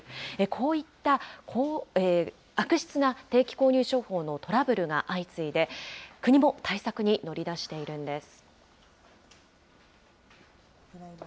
こういった悪質な定期購入商法のトラブルが相次いで、国も対策に乗り出しているんです。